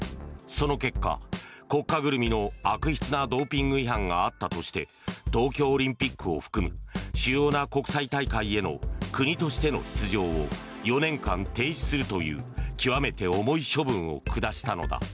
その結果、国家ぐるみの悪質なドーピング違反があったとして東京オリンピックを含む主要な国際大会への国としての出場を４年間停止するという極めて重い処分を下したのだ。